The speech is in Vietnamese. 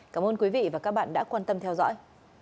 cảm ơn quý vị và các bạn đã quan tâm theo dõi